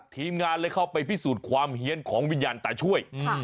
ทีมงานเลยเข้าไปพิสูจน์ความเฮียนของวิญญาณตาช่วย